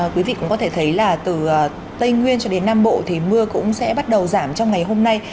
quý vị cũng có thể thấy là từ tây nguyên cho đến nam bộ thì mưa cũng sẽ bắt đầu giảm trong ngày hôm nay